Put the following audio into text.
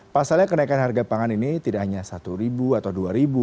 pasalnya kenaikan harga pangan ini tidak hanya rp satu atau dua ribu